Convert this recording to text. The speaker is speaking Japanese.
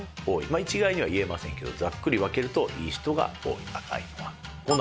一概には言えませんけどざっくり分けるといい人が多い赤いのは。